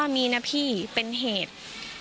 มีนะพี่เป็นเหตุ